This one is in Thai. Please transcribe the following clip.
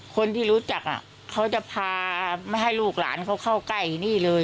คนที่รู้จักเขาจะพาไม่ให้ลูกหลานเขาเข้าใกล้นี่เลย